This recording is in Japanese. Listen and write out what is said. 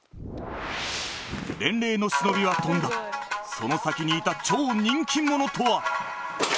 伝令の忍びは飛んだその先にいた超人気者とは？